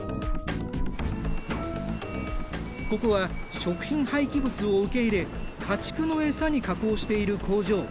ここは食品廃棄物を受け入れ家畜の餌に加工している工場。